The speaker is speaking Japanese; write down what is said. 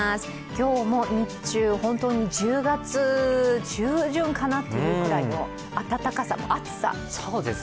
今日も日中、本当に１０月中旬かなというくらいの暖かさ、暑さ。